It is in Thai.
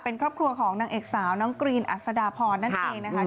เป็นครอบครัวของนางเอกสาวน้องกรีนอัศดาพรนั่นเองนะคะ